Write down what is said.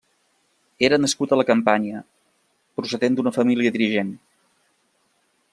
Era nascut a la Campània, procedent d'una família dirigent.